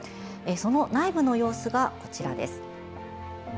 その内部の様子がこちらです。